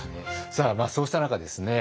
さあそうした中ですね